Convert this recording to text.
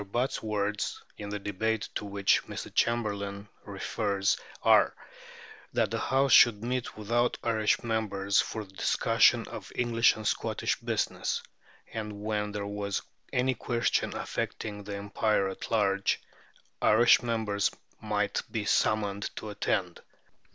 Butt's words, in the debate to which Mr. Chamberlain refers, are, "that the House should meet without Irish members for the discussion of English and Scotch business; and when there was any question affecting the Empire at large, Irish members might be summoned to attend.